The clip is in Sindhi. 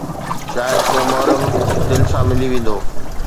شايد ڪو محرم دل سان ملي ويندو